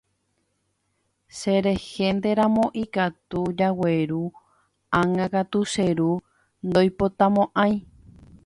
Cherehénteramo ikatu jagueru, ág̃akatu che ru ndoipotamo'ãi.